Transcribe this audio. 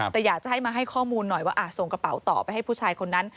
แต่อยากจะให้มาให้ข้อมูลหน่อยว่าส่งกระเป๋าต่อไปให้ผู้ชายคนนั้น